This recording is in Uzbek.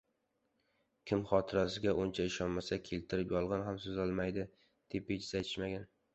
Kim xotirasiga uncha ishonmasa, kelishtirib yolg‘on ham so‘zlolmaydi, deb bejiz aytishmaydi.